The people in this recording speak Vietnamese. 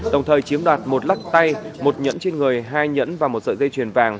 đồng thời chiếm đoạt một lắc tay một nhẫn trên người hai nhẫn và một sợi dây chuyền vàng